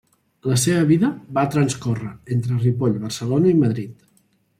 La seva vida va transcórrer entre Ripoll, Barcelona i Madrid.